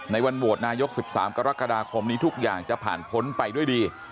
วันโหวตนายก๑๓กรกฎาคมนี้ทุกอย่างจะผ่านพ้นไปด้วยดี